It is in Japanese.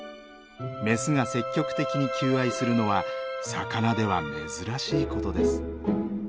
メスが積極的に求愛するのは魚では珍しいことです。